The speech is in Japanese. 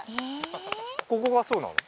ここがそうなの？